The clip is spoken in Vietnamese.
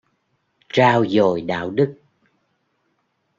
Trao dồi đạo đức